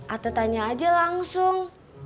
ate tanya aja langsung